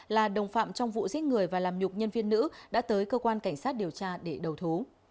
là đồng phạm trong vụ giết người và làm nhục nhân viên nữ đã tới cơ quan cảnh sát điều tra để đầu thú